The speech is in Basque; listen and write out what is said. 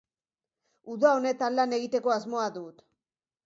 Uda honetan lan egiteko asmoa dut.